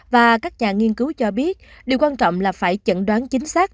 và các nhà nghiên cứu cho biết điều quan trọng là phải chẩn đoán chính xác